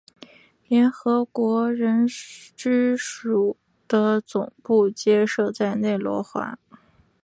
联合国人居署的总部皆设在内罗毕。